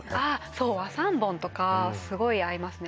そう和三盆とかすごい合いますね